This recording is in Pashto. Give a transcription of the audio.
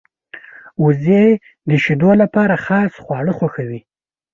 وزې د شیدو لپاره خاص خواړه خوښوي